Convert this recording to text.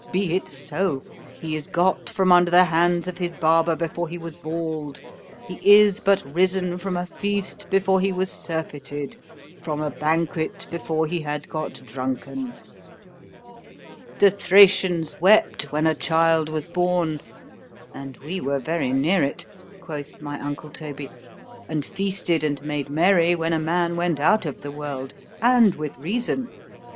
—be it so. He is got from under the hands of his barber before he was bald—he is but risen from a feast before he was surfeited—from a banquet before he had got drunken. "The Thracians wept when a child was born,"—(and we were very near it, quoth my uncle Toby,)—"and feasted and made merry when a man went out of the world; and with reason.